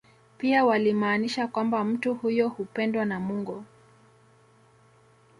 Pia walimaanisha kwamba mtu huyo hupendwa na Mungu